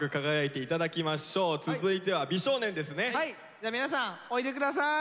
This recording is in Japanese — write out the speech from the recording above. じゃあ皆さんおいでください。